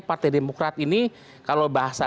partai demokrat ini kalau bahasa